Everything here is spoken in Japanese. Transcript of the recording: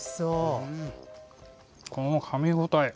このかみ応え。